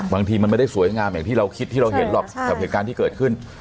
บางทีมันไม่ได้สวยงามอย่างที่เราคิดที่เราเห็นหรอกกับเหตุการณ์ที่เกิดขึ้น